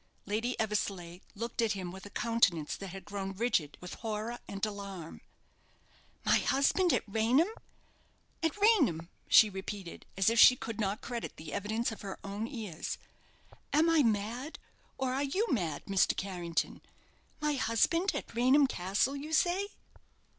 Lady Eversleigh looked at him with a countenance that had grown rigid with horror and alarm. "My husband at Raynham at Raynham!" she repeated, as if she could not credit the evidence of her own ears. "Am I mad, or are you mad, Mr. Carrington? My husband at Raynham Castle, you say?"